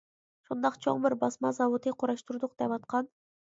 شۇنداق چوڭ بىر باسما زاۋۇتى قۇراشتۇردۇق دەۋاتقان.